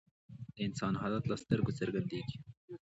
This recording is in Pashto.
د انسان حالت له سترګو څرګندیږي